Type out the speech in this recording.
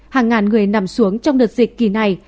hàng ngàn người nằm xuống trong đợt dịch kỳ này